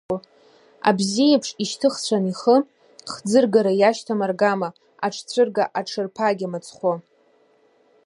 Абзиеиԥш, ишьҭыхцәан ахы, хӡыргара иашьҭам аргама, аҽцәырга-аҽырԥагьа мыцхәы.